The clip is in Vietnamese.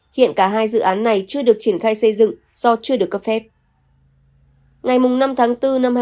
hiện cả hai dự án này chưa được triển khai xây dựng do chưa được cấp phép